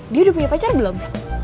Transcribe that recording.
dia udah punya pacar belum